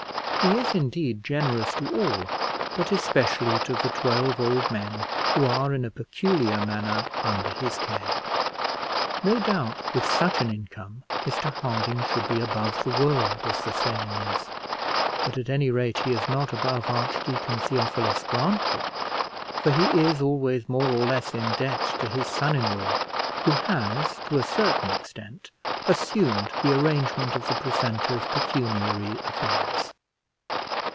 He is, indeed, generous to all, but especially to the twelve old men who are in a peculiar manner under his care. No doubt with such an income Mr Harding should be above the world, as the saying is; but, at any rate, he is not above Archdeacon Theophilus Grantly, for he is always more or less in debt to his son in law, who has, to a certain extent, assumed the arrangement of the precentor's pecuniary affairs.